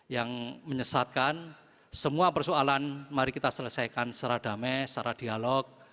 yang menyesatkan semua persoalan mari kita selesaikan secara damai secara dialog